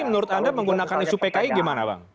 tapi menurut anda menggunakan isu pki gimana bang